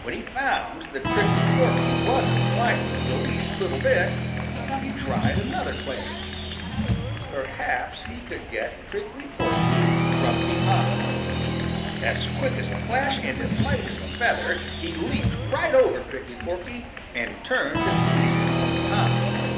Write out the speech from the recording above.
When he found that Prickly Porky wasn't frightened the least little bit, he tried another plan. Perhaps he could get Prickly Porky from behind. As quick as a flash and as light as a feather, he leaped right over Prickly Porky and turned to seize him from behind.